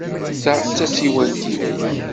Ta d tasiwant-nnek?